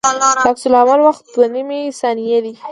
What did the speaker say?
د عکس العمل وخت دوه نیمې ثانیې دی